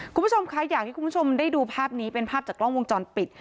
คุณผู้ชมคะอยากให้คุณผู้ชมได้ดูภาพนี้เป็นภาพจากกล้องวงจรปิด